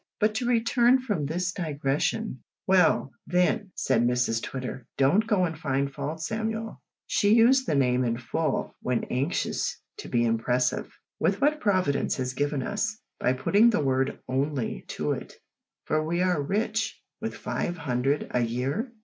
But to return from this digression "Well, then," said Mrs Twitter, "don't go and find fault, Samuel," (she used the name in full when anxious to be impressive), "with what Providence has given us, by putting the word `only' to it, for we are rich with five hundred a year."